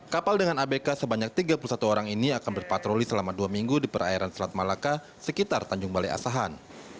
kapal dengan abk sebanyak tiga puluh satu orang ini akan berpatroli selama dua minggu di perairan selat malaka sekitar tanjung balai asahan